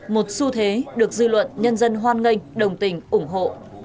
một xu thế được dư luận nhân dân hoan nghênh đồng tình ủng hộ